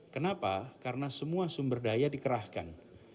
kenapa karena semua sumber daya dikerahkan